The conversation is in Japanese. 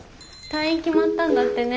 退院決まったんだってね。